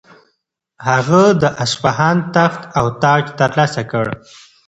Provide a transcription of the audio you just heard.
هغه د اصفهان تخت او تاج ترلاسه کړ.